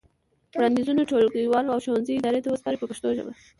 وړاندیزونه ټولګیوالو او ښوونځي ادارې ته وسپارئ په پښتو ژبه.